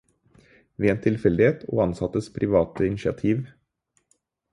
Ved en tilfeldighet og ansattes private initiativ.